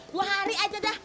dua hari aja dah